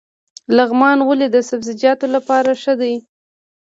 لغمان ولې د سبزیجاتو لپاره ښه دی؟